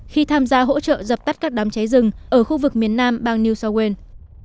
khi tham gia hỗ trợ dập tắt các đám cháy rừng ở khu vực miền nam bang new south wales